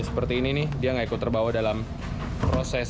seperti ini nih dia nggak ikut terbawa dalam proses